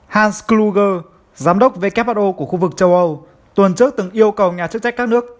han skluger giám đốc who của khu vực châu âu tuần trước từng yêu cầu nhà chức trách các nước